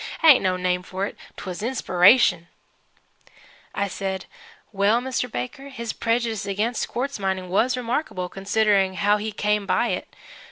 It ain't no name for it. 'Twas inspiration!" I said, "Well, Mr. Baker, his prejudice against quartz mining was remarkable, considering how he came by it.